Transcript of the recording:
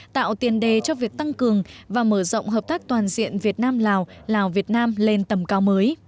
tạo tiền đề cho việc tăng cường và mở rộng hợp tác toàn diện việt nam lào lào việt nam lên tầm cao mới